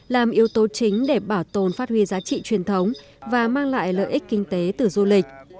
làm yếu tố chính để bảo tồn phát huy giá trị truyền thống và mang lại lợi ích kinh tế từ du lịch